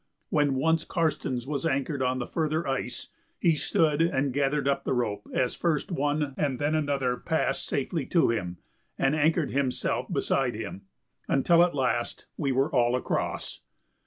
When once Karstens was anchored on the further ice he stood and gathered up the rope as first one and then another passed safely to him and anchored himself beside him, until at last we were all across.